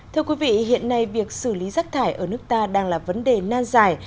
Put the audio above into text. thưa quý vị hiện nay việc xử lý rác thải ở nước ta đang là vấn đề nan dài